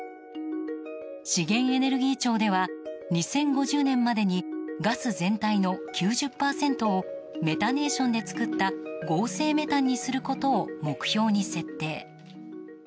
資源エネルギー庁では２０５０年までにガス全体の９０％をメタネーションで作った合成メタンにすることを目標に設定。